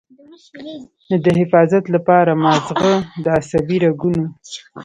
نو د حفاظت له پاره مازغۀ د عصبي رګونو